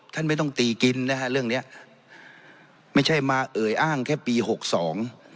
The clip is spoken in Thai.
ท่านไม่ต้องตีกินนะฮะเรื่องเนี้ยไม่ใช่มาเอ่ยอ้างแค่ปีหกสอง